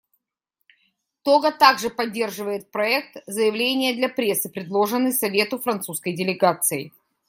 Того также поддерживает проект заявления для прессы, предложенный Совету французской делегацией.